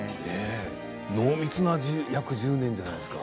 濃密な１１年じゃないですか？